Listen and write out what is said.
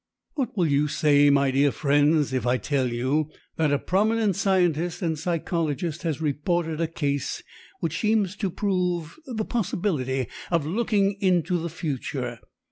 "What will you say, my dear friends, if I tell you that a prominent scientist and psychologist has reported a case which seems to prove the possibility of looking into the future.